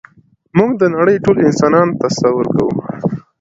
موږ د نړۍ ټول انسانان تصور کوو.